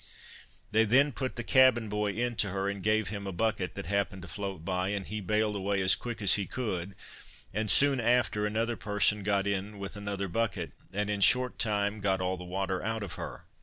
They then put the cabin boy into her, and gave him a bucket that happened to float by, and he bailed away as quick as he could, and soon after another person got in with another bucket, and in a short time got all the water out of her.